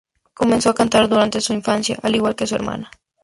Comenzó a cantar durante su infancia, al igual que su hermana.